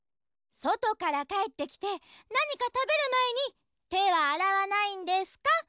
外から帰ってきて何か食べる前に手をあらわないんですか？